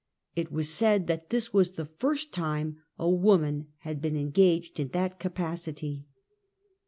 It was said that this was the first time a woman had been engaged in that capacity.